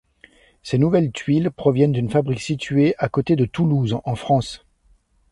Ces nouvelles tuiles proviennent d'une fabrique située à côté de Toulouse, en France.